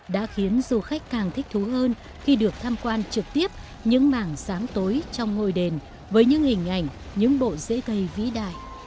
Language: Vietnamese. đã khiến du khách càng thích thú hơn khi được tham quan trực tiếp những mảng sáng tối trong ngôi đền với những hình ảnh những bộ dễ cây vĩ đại